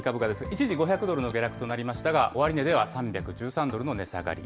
一時５００ドルの下落となりましたが、終値では３１３ドルの値下がり。